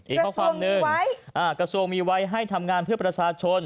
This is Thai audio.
อีกข้อความหนึ่งกระทรวงมีไว้ให้ทำงานเพื่อประชาชน